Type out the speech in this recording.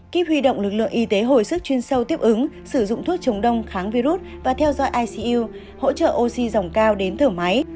kíp huy động lực lượng y tế hồi sức chuyên sâu tiếp ứng sử dụng thuốc chống đông kháng virus và theo dõi icu hỗ trợ oxy dòng cao đến thở máy